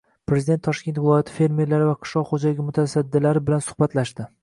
Prezident Toshkent viloyati fermerlari va qishloq xoʻjaligi mutasaddilari bilan suhbatlashdi.